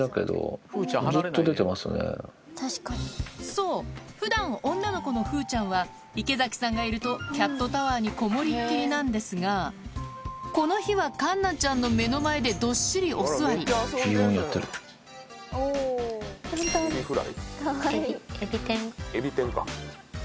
そう普段女の子の風ちゃんは池崎さんがいるとキャットタワーにこもりっきりなんですがこの日は環奈ちゃんの目の前でどっしりお座りえびえび天。